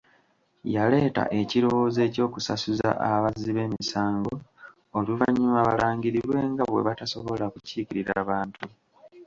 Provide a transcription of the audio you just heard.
Yaleeta ekirowoozo eky'okusasuza abazzi b'emisango oluvannyuma balangirirwe nga bwe batasobola kukiikirira Bantu.